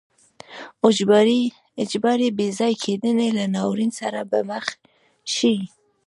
اجباري بې ځای کېدنې له ناورین سره به مخ شي.